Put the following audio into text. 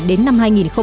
đến năm hai nghìn ba mươi